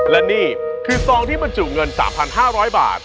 และนี่คือซองที่บรรจุเงิน๓๕๐๐บาท